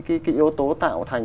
yếu tố tạo thành